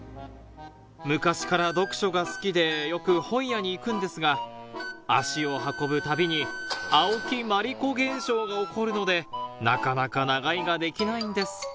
昔から読書が好きでよく本屋に行くんですが足を運ぶたびに青木まりこ現象が起こるのでなかなか長居ができないんです